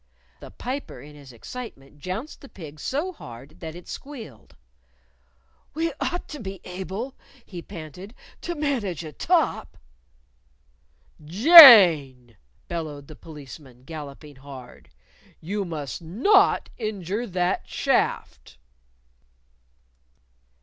The Piper, in his excitement, jounced the pig so hard that it squealed. "We ought to be able," he panted, "to manage a top." "Jane!" bellowed the Policeman, galloping hard. "You must not injure that shaft!"